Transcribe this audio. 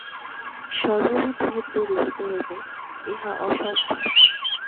সর্ববিধ ভেদ দূরীভূত হইবে, ইহা অসম্ভব।